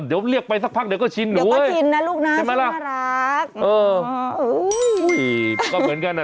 เดี๋ยวเรียกไปสักพักเดี๋ยวก็ชินหนูเว้ย